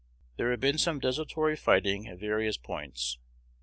There had been some desultory fighting at various points.